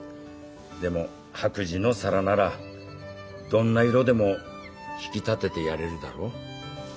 でも白磁の皿ならどんな色でも引き立ててやれるだろ？